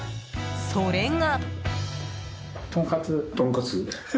それが。